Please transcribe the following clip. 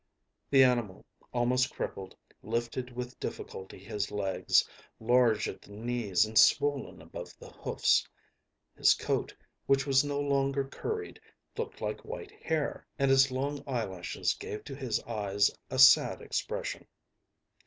The animal, almost crippled, lifted with difficulty his legs, large at the knees and swollen above the hoofs. His coat, which was no longer curried, looked like white hair, and his long eyelashes gave to his eyes a sad expression.